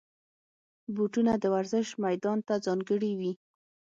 بوټونه د ورزش میدان ته ځانګړي وي.